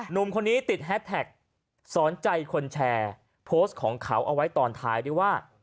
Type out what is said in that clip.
หนุ่มคนนี้ติดแฮสแท็กสอนใจคนแชร์โพสต์ของเขาเอาไว้ตอนท้ายด้วยว่า